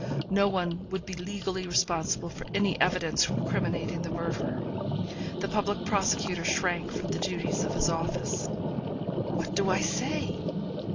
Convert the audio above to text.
No one would be legally responsible for any evidence criminating the murderer. The public prosecutor shrank from the duties of his office. What do I say?